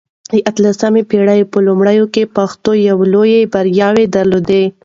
د اته لسمې پېړۍ په لومړيو کې پښتنو لويې برياوې درلودې.